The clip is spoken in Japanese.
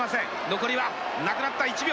残りはなくなった、１秒。